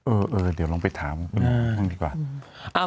เออเดี๋ยวลองไปถามกันดีกว่า